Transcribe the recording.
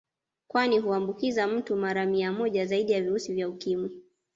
Kwani huambukiza mtu mara mia moja zaidi ya virusi vya Ukimwi